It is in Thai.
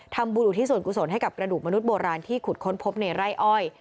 บุญอุทิศส่วนกุศลให้กับกระดูกมนุษย์โบราณที่ขุดค้นพบในไร่อ้อย